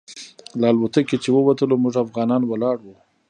له الوتکې چې ووتلو موږ افغانان ولاړ وو.